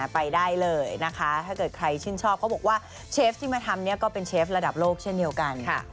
ไปได้เลยนะคะถ้าเกิดใครชื่นชอบเขาบอกว่าเชฟที่มาทำเนี่ยก็เป็นเชฟระดับโลกเช่นเดียวกัน